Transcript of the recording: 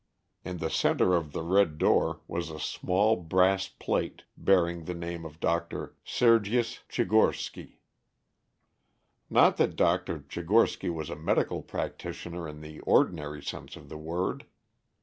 In the center of the red door was a small brass plate bearing the name of Dr. Sergius Tchigorsky. Not that Dr. Tchigorsky was a medical practitioner in the ordinary sense of the word.